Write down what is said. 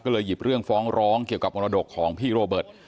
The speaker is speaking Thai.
ก็เลยหยิบเรื่องฟ้องร้องเกี่ยวกับมรดกของพี่โรเบิร์ต